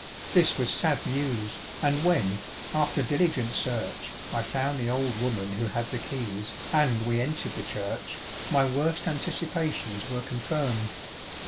This was sad news, and when, after diligent search, I found the old woman who had the keys, and we entered the church, my worst anticipations were confirmed.